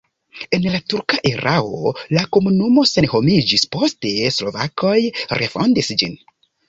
En la turka erao la komunumo senhomiĝis, poste slovakoj refondis ĝin.